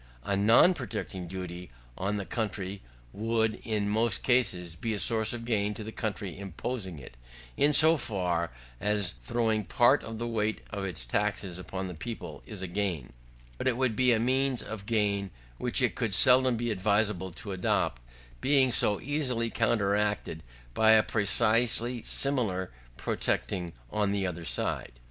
A non protecting duty on the contrary would, in most cases, be a source of gain to the country imposing it, in so far as throwing part of the weight of its taxes upon other people is a gain; but it would be a means of gain which it could seldom be advisable to adopt, being so easily counteracted by a precisely similar proceeding on the other side.